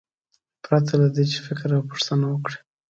پرته له دې چې فکر او پوښتنه وکړي.